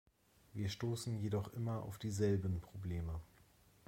Wir stoßen jedoch immer auf dieselben Probleme.